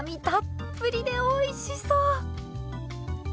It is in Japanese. たっぷりでおいしそう！